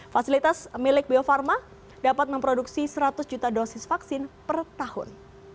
fasilitas milik bio farma dapat memproduksi seratus juta dosis vaksin per tahun